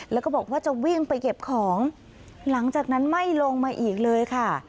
แล้วก็บอกว่าจะวิ่งไปเก็บของหลังจากนั้นไม่ลงมาอีกเลยค่ะ